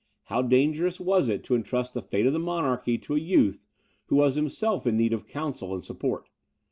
How dangerous was it to entrust the fate of the monarchy to a youth, who was himself in need of counsel and support!